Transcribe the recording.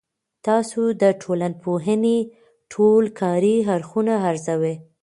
تاسو د ټولنپوهنې ټول کاري اړخونه ارزوي؟